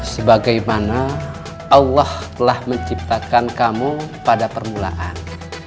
sebagaimana allah telah menciptakan kamu pada permulaan